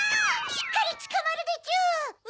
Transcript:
しっかりつかまるでちゅ！